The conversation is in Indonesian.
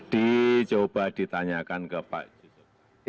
dicoba ditanyakan ke pak yusuf